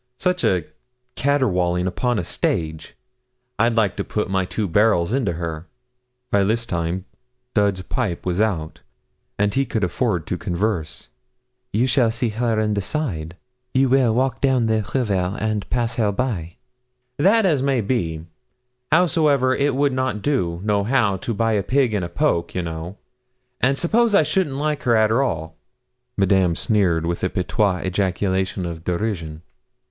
Such a caterwauling upon a stage! I'd like to put my two barrels into her.' By this time Dud's pipe was out, and he could afford to converse. 'You shall see her and decide. You will walk down the river, and pass her by.' 'That's as may be; howsoever, it would not do, nohow, to buy a pig in a poke, you know. And s'pose I shouldn't like her, arter all?' Madame sneered, with a patois ejaculation of derision.